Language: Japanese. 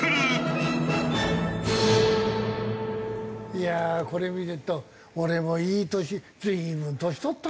いやあこれ見てると俺もいい年随分年取ったなと思うね。